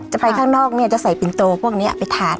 ไปข้างนอกเนี่ยจะใส่ปินโตพวกนี้ไปทาน